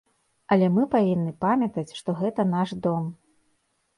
Але мы павінны памятаць, што гэта наш дом.